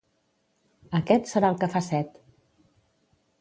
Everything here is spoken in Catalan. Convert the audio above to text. —Aquest serà el que fa set.